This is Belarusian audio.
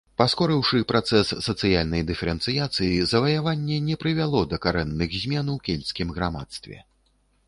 Паскорыўшы працэс сацыяльнай дыферэнцыяцыі, заваяванне не прывяло да карэнных змен у кельцкім грамадстве.